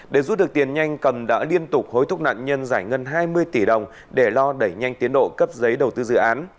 để rút được tiền nhanh cầm đã liên tục hối thúc nạn nhân giải ngân hai mươi tỷ đồng để lo đẩy nhanh tiến độ cấp giấy đầu tư dự án